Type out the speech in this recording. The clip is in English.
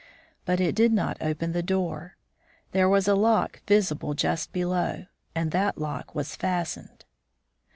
But it did not open the door. There was a lock visible just below, and that lock was fastened.